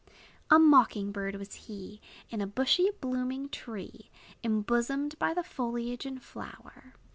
A Mocking Bird was he, In a bushy, blooming tree, Imbosomed by the foliage and flower.